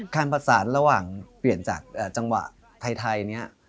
ขั้นผักสารระหว่างเปลี่ยนจังหวะไทยเนี่ย